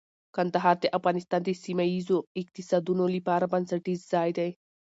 کندهار د افغانستان د سیمه ییزو اقتصادونو لپاره بنسټیز ځای دی.